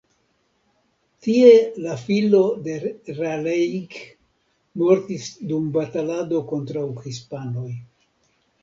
Tie la filo de Raleigh mortis dum batalado kontraŭ hispanoj.